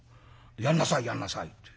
「やんなさいやんなさい」って。